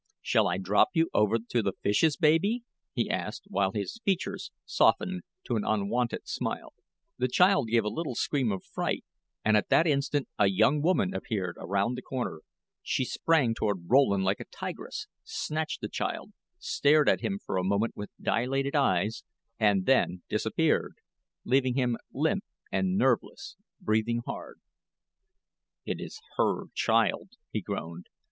"Shall I drop you over to the fishes, baby?" he asked, while his features softened to an unwonted smile. The child gave a little scream of fright, and at that instant a young woman appeared around the corner. She sprang toward Rowland like a tigress, snatched the child, stared at him for a moment with dilated eyes, and then disappeared, leaving him limp and nerveless, breathing hard. "It is her child," he groaned.